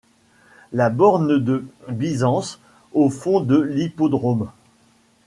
La borne de Byzance au fond de l'Hippodrome